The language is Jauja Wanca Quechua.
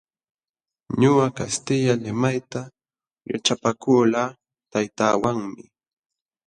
Ñuqa kastilla limayta yaćhapakulqaa taytaawanmi.